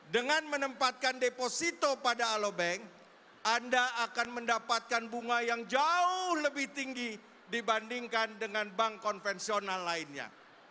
dengan menempatkan deposito pada alobank anda akan mendapatkan bunga yang jauh lebih tinggi dibandingkan dengan bank konvensional lainnya